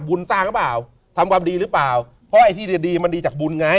สร้างหรือเปล่าทำความดีหรือเปล่าเพราะไอ้ที่ดีดีมันดีจากบุญไง